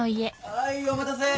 はいお待たせ。